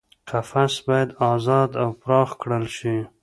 قفس باید ازاد او پراخ کړل شي.